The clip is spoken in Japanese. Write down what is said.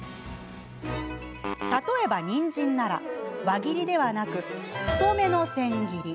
例えば、にんじんなら輪切りではなく太めの千切り。